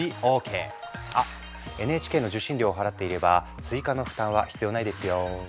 あＮＨＫの受信料を払っていれば追加の負担は必要ないですよ。